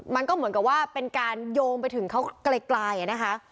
มันก็เหมือนกับว่าเป็นการโยงไปถึงเขาไกลนะคะ